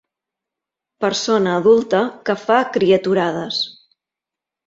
Persona adulta que fa criaturades.